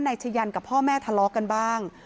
นายชะยันกับพ่อแม่ทะเลาะกันบ้าง